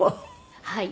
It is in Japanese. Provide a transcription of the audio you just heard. はい。